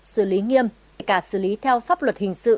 xử lý nghiêm cả xử lý theo pháp luật hình sự